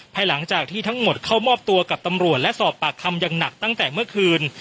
หลังจากที่ทั้งหมดเข้ามอบตัวกับตำรวจและสอบปากคำอย่างหนักตั้งแต่เมื่อคืน